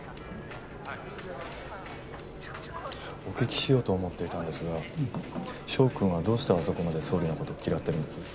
お聞きしようと思っていたんですが翔君はどうしてあそこまで総理の事を嫌ってるんです？